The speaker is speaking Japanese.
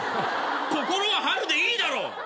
心は春でいいだろ！